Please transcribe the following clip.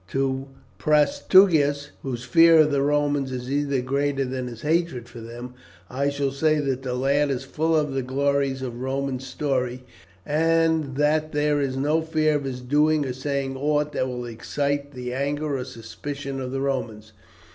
To Prasutagus, whose fear of the Romans is even greater than his hatred for them, I shall say that the lad is full of the glories of Roman story, and that there is no fear of his doing or saying aught that will excite the anger or suspicion of the Romans.